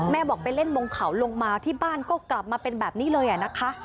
บอกไปเล่นบงเขาลงมาที่บ้านก็กลับมาเป็นแบบนี้เลยนะคะ